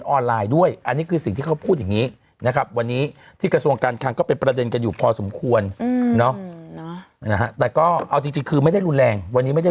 มันเป็นรวมตัวว่าเขาควรโควิดหรือเปล่าครับคุณแม่